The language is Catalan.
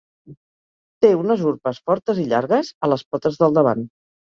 Té unes urpes fortes i llargues a les potes del davant.